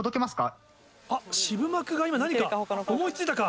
渋幕が今何か思い付いたか？